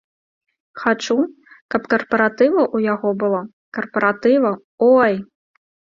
Хачу, каб карпаратываў у яго было, карпаратываў, ой!